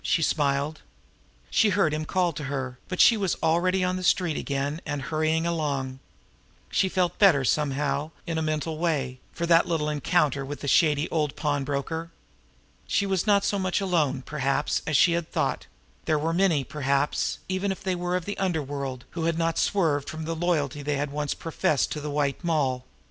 she smiled. She heard him call to her; but she was already on the street again, and hurrying along. She felt better, somehow, in a mental way, for that little encounter with the shady old pawnbroker. She was not so much alone, perhaps, as she had thought; there were many, perhaps, even if they were of the underworld, who had not swerved from the loyalty they had once professed to the White Moll.